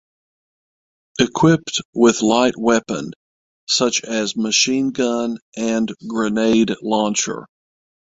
Equipped with light weapon such as machine gun and grenade launcher.